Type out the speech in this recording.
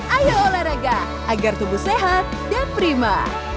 ayo olahraga agar tubuh sehat dan prima